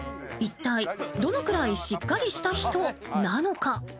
一体、どのくらいしっかりした人なのか？